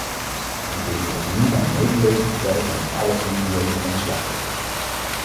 Ik wil hier opnieuw mijn medeleven betuigen met alle familieleden van de slachtoffers.